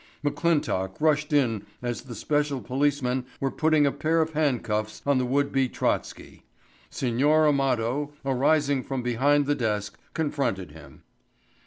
McClintock rushed in as the special policemen were putting a pair of handcuffs on the would be Trotsky. Signor Amado, arising from behind the desk, confronted him.